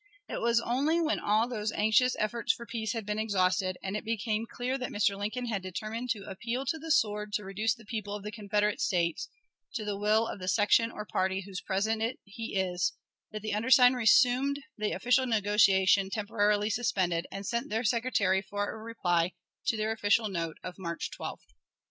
It was only when all those anxious efforts for peace had been exhausted, and it became clear that Mr. Lincoln had determined to appeal to the sword to reduce the people of the Confederate States to the will of the section or party whose President he is, that the undersigned resumed the official negotiation temporarily suspended, and sent their secretary for a reply to their official note of March 12th.